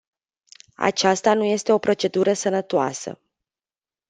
Aceasta nu este o procedură sănătoasă.